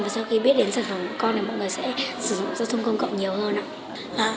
và sau khi biết đến sản phẩm của con thì mọi người sẽ sử dụng giao thông công cộng nhiều hơn ạ